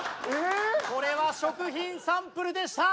これは食品サンプルでした。